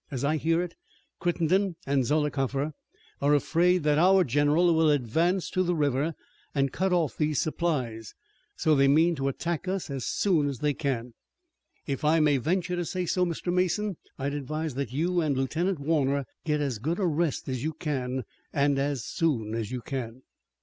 As I hear it, Crittenden and Zollicoffer are afraid that our general will advance to the river an' cut off these supplies. So they mean to attack us as soon as they can. If I may venture to say so, Mr. Mason, I'd advise that you and Lieutenant Warner get as good a rest as you can, and as soon as you can."